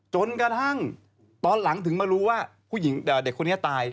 จนกระทั่งตอนหลังมารู้ว่าคุณเด็กคนนี้ตาย